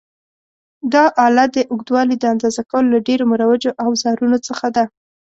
دا آله د اوږدوالي د اندازه کولو له ډېرو مروجو اوزارونو څخه ده.